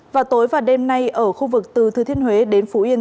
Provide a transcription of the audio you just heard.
và tối và đêm nay ở khu vực từ thư thiên huế đến phú yên